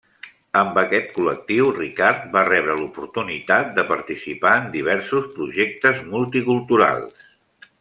Amb aquest col·lectiu, Ricard va rebre l’oportunitat de participar en diversos projectes multiculturals.